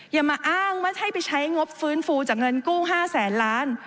อย่ามาอ้างว่าให้ไปใช้งบฟื้นฟูจากเงินกู้๕แสนล้าน